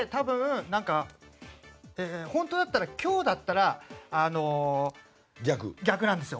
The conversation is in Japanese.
本当だったら、今日だったら逆なんですよ。